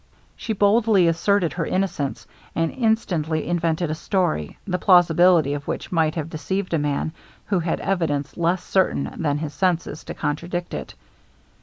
She boldly asserted her innocence, and instantly invented a story, the plausibility of which might have deceived a man who had evidence less certain than his senses to contradict it.